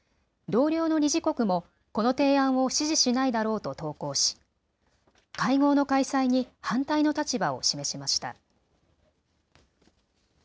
同僚の理事国もこの提案を支持しないだろうと投稿し、会合の開催に反対の立場を示しました。